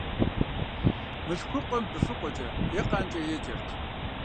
Мылъхукъуэм быфэкъуэкӏэ, е къанкӀэ еджэрт.